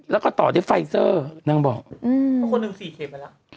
แล้วก็ต่อที่เอ่ยนั่งบอกอืมก็คนนึง๔เข็มนะแล้วอืม